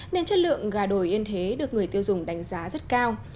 nên chất lượng gà đồi yên thế được người tiêu dùng đánh giá rất cao